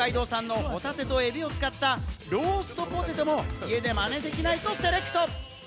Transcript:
さらに北海道産のホタテとエビを使ったローストポテトも家でまねできないとセレクト。